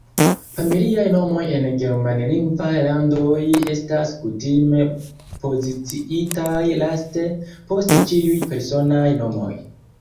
Familiaj nomoj en Germanlingvaj landoj estas kutime poziciitaj laste, post ĉiuj personaj nomoj.